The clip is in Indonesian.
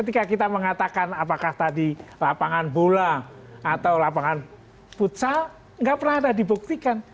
tidak akan apakah tadi lapangan bola atau lapangan futsal enggak pernah ada dibuktikan